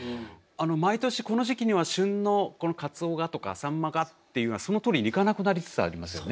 毎年この時期には旬のカツオがとかサンマがっていうのがそのとおりにいかなくなりつつありますよね。